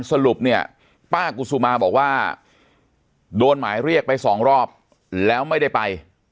สรุปเนี่ยป้ากุศุมาบอกว่าโดนหมายเรียกไปสองรอบแล้วไม่ได้ไป